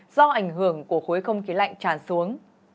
do ảnh hưởng của khối không khí lạnh tràn xuống